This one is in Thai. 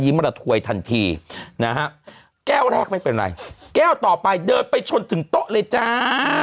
มาระถวยทันทีนะฮะแก้วแรกไม่เป็นไรแก้วต่อไปเดินไปชนถึงโต๊ะเลยจ้า